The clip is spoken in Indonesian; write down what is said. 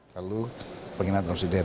lalu penghinaan presiden